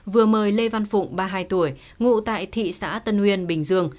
vừa mời lê văn phụng ba mươi hai tuổi ngụ tại thị xã tân uyên bình dương